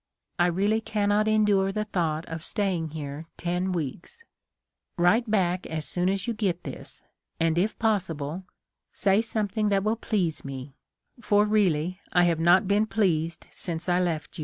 I really cannot endure the thought of staying here ten weeks. Write back as soon as you get this, and if possible, say something that will please me ; for really, I have not been pleased since I left you.